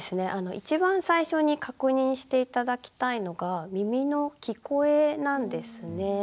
一番最初に確認して頂きたいのが耳の聞こえなんですね。